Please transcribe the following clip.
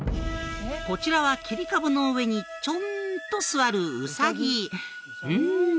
こちらは切り株の上にちょんと座るうさぎうん